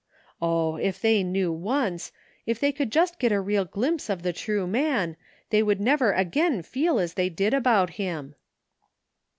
Oh, if they knew once; if they could just get a real glimpse of the true man^ they would never again feel as they did about him.